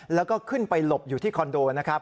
แล้วก็ขึ้นไปหลบอยู่ที่คอนโด